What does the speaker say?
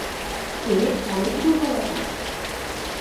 এর অনেক দূর্বলতা আছে।